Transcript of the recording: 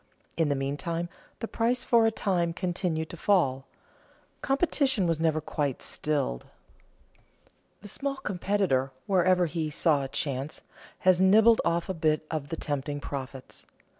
In the meantime the price for a time continued to fall. Competition was never quite stilled. The small competitor, wherever he saw a chance, has nibbled off a bit of the tempting profits.